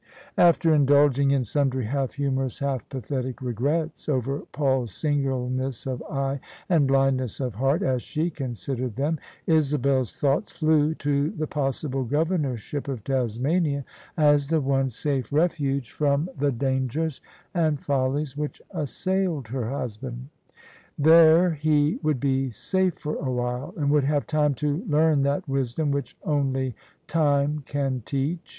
After indulging in sundry half humorous, half pathetic regrets over Paul's singleness of eye and blindness of heart (as she considered them), Isabel's thoughts flew to the possi ble Governorship of Tasmania as the one safe refuge from the [ii6] OF ISABEL CARNABY dangers and follies which assailed her husband. There he would be safe for awhile, and would have time to learn that wisdom which only time can teach.